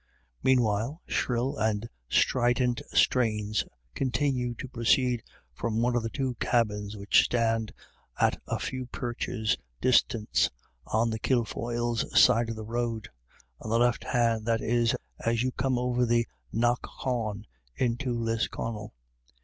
Meanwhile, shrill and strident strains continued to proceed from one of the two cabins which stand at a few perches' distance on the Kilfoyles' side of the road— on the left hand, that is, as you come over the knockawn into Lisconnel.